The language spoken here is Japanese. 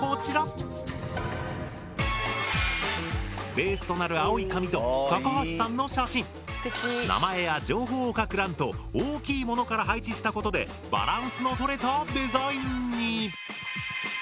ベースとなる青い紙と高橋さんの写真名前や情報を書く欄と大きいものから配置したことでバランスのとれたデザインに。